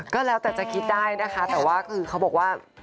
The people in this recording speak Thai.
ก็แล้วแต่จะคิดได้นะคะแต่ว่าคือเขาบอกว่า